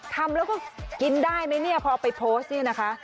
ทำแล้วก็กินได้ไหมพอไปโพสต์นี่นะคะ